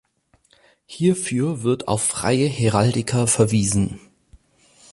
Hierfür wird auf freie Heraldiker verwiesen.